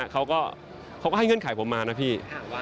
เขาก็ให้เงื่อนไขผมมานะพี่